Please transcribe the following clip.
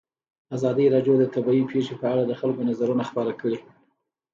ازادي راډیو د طبیعي پېښې په اړه د خلکو نظرونه خپاره کړي.